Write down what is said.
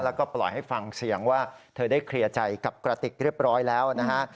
แล้วก็ปล่อยให้ฟังเสียงว่าเธอได้เคลียร์ใจกับกระติกเรียบร้อยแล้วนะฮะ